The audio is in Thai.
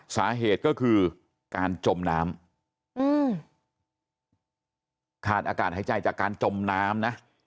สาเหตุก็คือการจมน้ำขาดอากาศหายใจจากการจมน้ำนะ